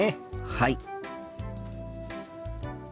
はい。